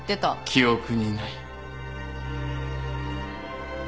記憶にない。